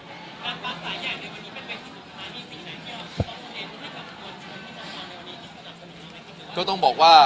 การปลาสายแยกในวันนี้เป็นไปที่สุดท้ายนี่สิ่งไหนที่เราต้องต้องต้องบอกว่า